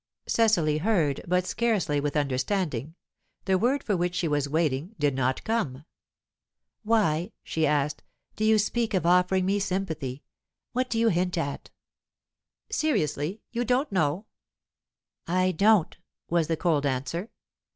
Cecily beard, but scarcely with understanding. The word for which she was waiting did not come. "Why," she asked, "do you speak of offering me sympathy? What do you hint at?" "Seriously, you don't know?" "I don't," was the cold answer.